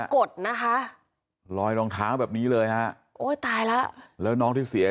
กดนะคะลอยรองเท้าแบบนี้เลยฮะโอ้ยตายแล้วแล้วน้องที่เสีย